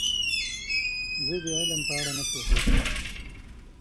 زه د علم په اړه نه پوهیږم.